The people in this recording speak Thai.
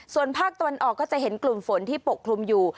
ส่วนภาคตะวันออกก็จะเห็นกลุ่มฝนที่ปกคลุมอยู่